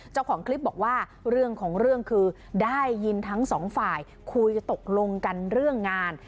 เจ้าของคลิปบอกว่าเรื่องของเรื่องคือได้ยินทั้งสองฝ่ายคุยตกลงกันเรื่องงาน